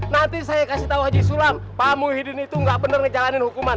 nanti saya kasih tahu haji sulam pak muhyiddin itu nggak bener ngejalanin hukuman